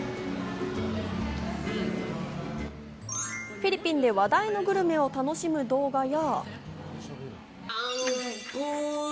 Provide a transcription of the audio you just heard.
フィリピンで話題のグルメを楽しむ動画や。